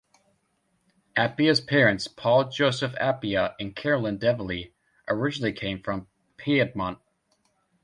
Appia's parents, Paul Joseph Appia and Caroline Develey, originally came from Piedmont.